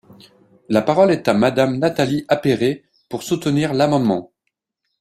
La parole est à Madame Nathalie Appéré, pour soutenir l’amendement.